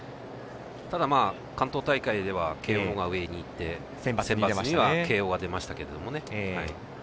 ただ、関東大会では慶応が上にいってセンバツには慶応が出ましたけどね。